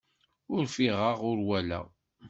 Ur ffiɣeɣ, ur walaɣ.